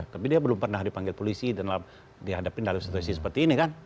tapi dia belum pernah dipanggil polisi dan dihadapin dalam situasi seperti ini kan